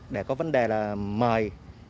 để có vấn đề là mời